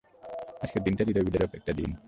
আজকের দিনটা হৃদয়বিদারক একটি দিন।